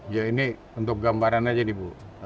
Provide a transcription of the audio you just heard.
ya ini untuk gambaran aja nih bu